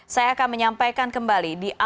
saya akan menyampaikan kembali